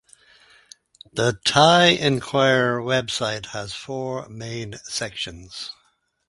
The "Thai Enquirer" website has four main sections.